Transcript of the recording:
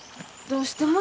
どうしたの？